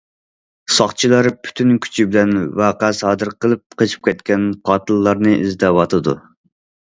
ساقچىلار پۈتۈن كۈچى بىلەن ۋەقە سادىر قىلىپ قېچىپ كەتكەن قاتىللارنى ئىزدەۋاتىدۇ.